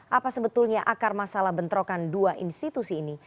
apa sebetulnya akar masalah bentrokan dua institusi ini